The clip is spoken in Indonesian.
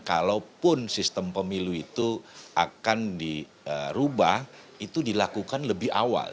kalaupun sistem pemilu itu akan dirubah itu dilakukan lebih awal